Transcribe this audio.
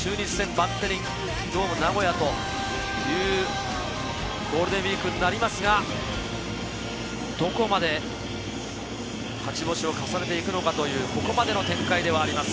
そのあと中日戦に挑むバンテリンドーム名古屋というゴールデンウイークになりますが、どこまで勝ち星を重ねていくのかという、ここまでの展開ではあります。